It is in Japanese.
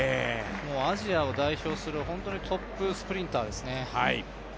アジアを代表するトップスプリンターですね。